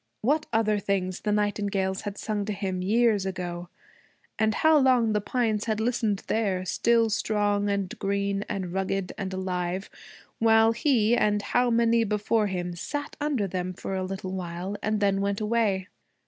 What other things the nightingales had sung to him, years ago! And how long the pines had listened there, still strong and green and rugged and alive, while he, and how many before him, sat under them for a little while and then went away!